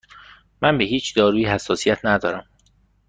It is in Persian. من به هیچ دارویی حساسیت ندارم.